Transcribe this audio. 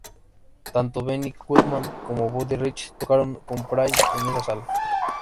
Tanto Benny Goodman como Buddy Rich tocaron con Price en esa sala.